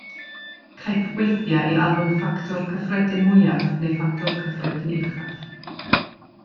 Caiff weithiau ei alw'n ffactor cyffredin mwyaf neu ffactor cyffredin uchaf.